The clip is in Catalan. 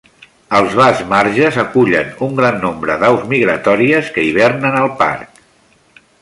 Els vasts marges acullen un gran nombre d'aus migratòries que hivernen al parc.